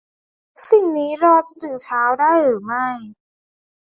สิ่งนี้รอจนถึงเช้าได้หรือไม่